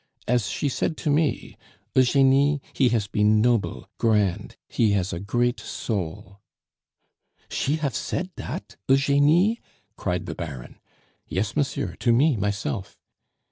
As she said to me 'Eugenie, he has been noble, grand he has a great soul.'" "She hafe said dat, Eugenie?" cried the Baron. "Yes, monsieur, to me, myself."